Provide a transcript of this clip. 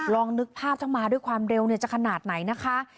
ลองนึกภาพถ้ามาด้วยความเร็วจะขนาดไหนนะคะ